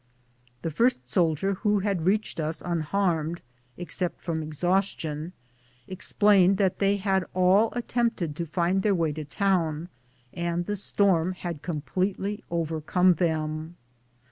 The first soldier who had reached us unharmed, except from exhaustion, explained that they had all attempted to find their way to town, and the storm had completely overcome them.